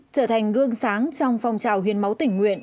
trở thành gương sáng trong phong trào hiến máu tỉnh nguyện